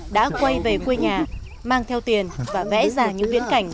đã quay về quê nhà mang theo tiền và vẽ ra những viễn cảnh